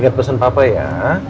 ingat pesan papa ya